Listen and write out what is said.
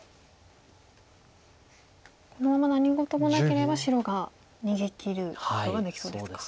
このまま何事もなければ白が逃げきることができそうですか。